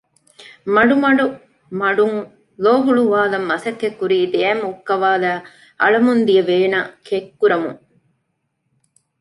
މަޑުމަޑު މަޑުން ލޯ ހުޅުވާލަން މަސައްކަތްކުރީ ދެއަތް މުއްކަވާލައި އަޅަމުންދިޔަ ވޭނަށް ކެތްކުރަމުން